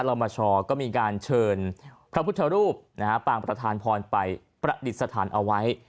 เรามาชอก็มีการเชิญพระพุทธรูปปางประธานพรไปประดิษฐานเอาไว้